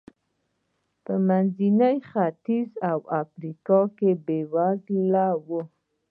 په منځني ختیځ او افریقا کې بېوزلي و.